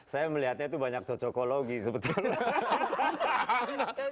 saya melihatnya itu banyak cocokologi sebetulnya